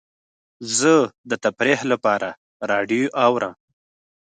زه د تفریح لپاره راډیو اورم.